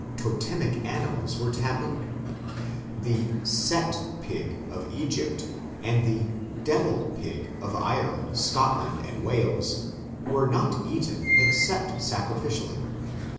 Totemic animals were tabooed. The Set pig of Egypt and the devil pig of Ireland, Scotland, and Wales were not eaten except sacrificially.